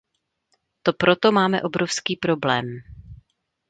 To proto máme obrovský problém.